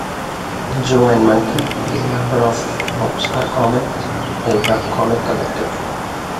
"Joe and Monkey" is a member of a Boxcar Comics, a webcomic collective.